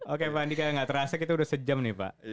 oke pak anika yang gak terasa kita udah sejam nih pak